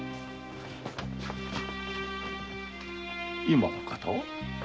今の方は？